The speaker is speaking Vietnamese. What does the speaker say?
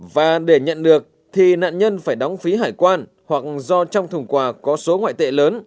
và để nhận được thì nạn nhân phải đóng phí hải quan hoặc do trong thùng quà có số ngoại tệ lớn